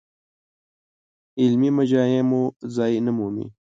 علمي مجامعو ځای نه مومي.